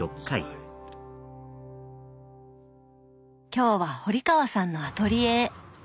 今日は堀川さんのアトリエへ。